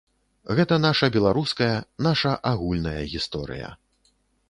Гэта наша беларуская, наша агульная гісторыя.